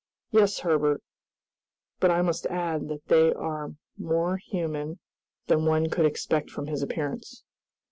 "Yes, Herbert, but I must add that they are more human than one could expect from his appearance."